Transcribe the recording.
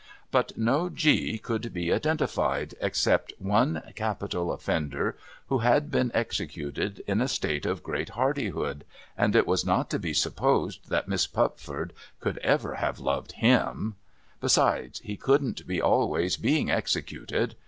But no G could be identified, except one MISS PUPFORD'S PORTRAIT 267 capital offender who had been executed in a state of great hardi hood, and it was not to be supposed that Miss Pupford could ever have loved hit7i. Besides, he couldn't be always being executed.